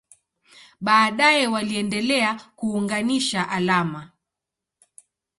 Baadaye waliendelea kuunganisha alama.